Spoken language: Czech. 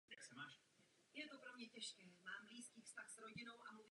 Teorie struktury trhu a průmyslových organizací čerpají z těchto prací.